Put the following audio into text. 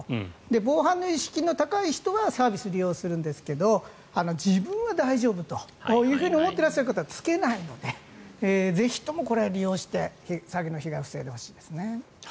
防犯の意識の高い人はサービスを利用するんですが自分は大丈夫と思っていらっしゃる方はつけないのでぜひとも、これは利用して詐欺の被害を防いでほしいですね。